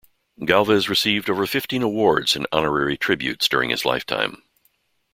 Galvez received over fifteen awards and honorary tributes during his lifetime.